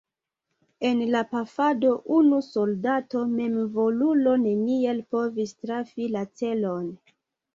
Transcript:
En la pafado unu soldato memvolulo neniel povis trafi la celon.